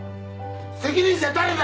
責任者誰だ！